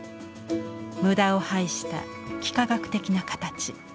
無駄を排した幾何学的な形。